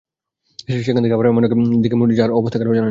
সেখান থেকে আবার এমন একদিকে মোড় নিয়েছে যার অবস্থা কারো জানা নেই।